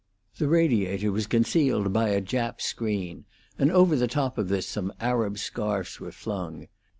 The radiator was concealed by a Jap screen, and over the top of this some Arab scarfs were flung.